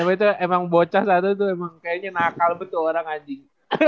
apa itu emang bocah satu tuh emang kayaknya nakal betul orang anjing